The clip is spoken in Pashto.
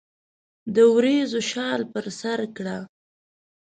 دوریځو شال پر سرکړه